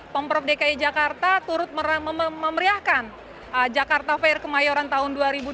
pemprov dki jakarta turut memeriahkan jakarta fair kemayoran tahun dua ribu dua puluh